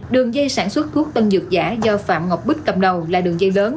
đường dây sản xuất thuốc tân dược giả do phạm ngọc bích cầm đầu là đường dây lớn